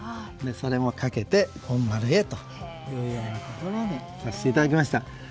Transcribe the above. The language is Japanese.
それも掛けて本丸へということにさせていただきました。